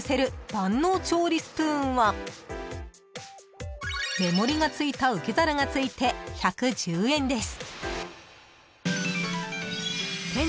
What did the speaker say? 万能調理スプーンは目盛りが付いた受け皿が付いて１１０円です］